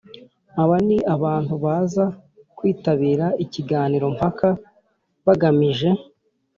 Aba ni abantu baza kwitabira ikiganiro mpaka bagamije